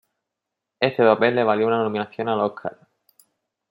Este papel le valió una nominación al Oscar.